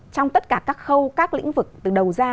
trong tất cả các khâu các lĩnh vực từ đầu ra